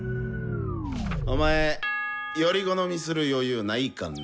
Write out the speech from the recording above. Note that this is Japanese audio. お前より好みする余裕ないかんね。